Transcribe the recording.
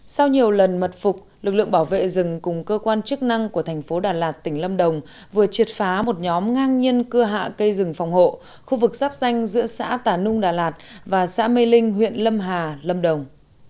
sau nhiều lần mật phục lực lượng bảo vệ rừng cùng cơ quan chức năng của thành phố đà lạt tỉnh lâm đồng vừa triệt phá một nhóm ngang nhiên cưa hạ cây rừng phòng hộ khu vực giáp danh giữa xã tà nung đà lạt và xã mê linh huyện lâm hà lâm đồng